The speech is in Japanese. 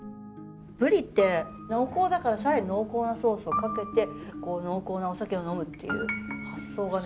ぶりって濃厚だから更に濃厚なソースをかけて濃厚なお酒を呑むっていう発想がね